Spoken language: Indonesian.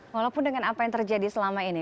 walaupun dengan apa yang terjadi selama ini